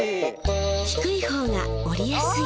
［低い方が降りやすい］